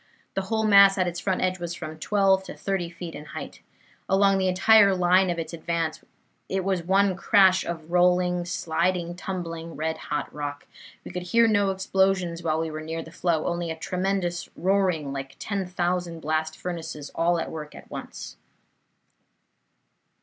The whole mass at its front edge was from twelve to thirty feet in height. Along the entire line of its advance it was one crash of rolling, sliding, tumbling red hot rock. We could hear no explosions while we were near the flow, only a tremendous roaring like ten thousand blast furnaces all at work at once."